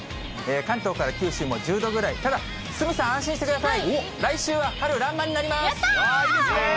関東から九州も１０度ぐらい、ただ、鷲見さん、安心してください。